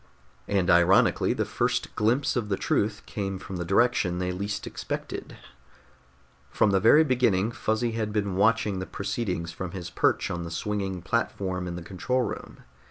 And, ironically, the first glimpse of the truth came from the direction they least expected. From the very beginning Fuzzy had been watching the proceedings from his perch on the swinging platform in the control room.